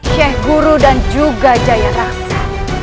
sheikh guru dan juga jaya rahma